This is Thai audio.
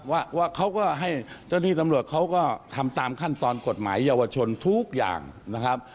ว่าเขาก็ให้เจ้าที่ตำรวจเขาก็ทำตามขั้นตอนกฎหมายเยาวชนทุกอย่างนะครับ